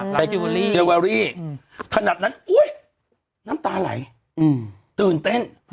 ไปเจอเวอรี่ขนาดนั้นอุ๊ยน้ำตาไหลตื่นเต้น